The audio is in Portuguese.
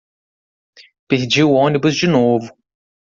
Perdi o ônibus de novo.